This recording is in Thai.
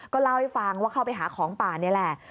ก็เล่าให้ฟังว่าเข้าไปหาของป่านี่แหละ